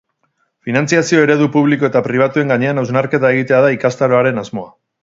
Finantziazio eredu publiko eta pribatuen gainean hausnarketa egitea da ikastaroaren asmoa.